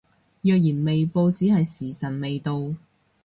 若然未報只係時辰未到